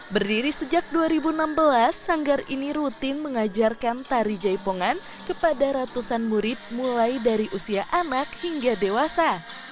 berdiri sejak dua ribu enam belas sanggar ini rutin mengajarkan tari jaipongan kepada ratusan murid mulai dari usia anak hingga dewasa